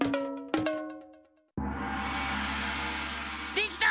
できた！